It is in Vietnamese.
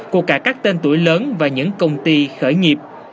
của cả các tên tuổi lớn và những công ty khởi nghiệp